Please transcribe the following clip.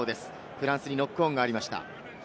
フランスにノックオンがありました。